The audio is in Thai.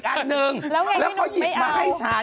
คุณถามจริงเนี่ยวัดจะดีเขามาให้อะไรคุณบ้างมั้ยเนี่ย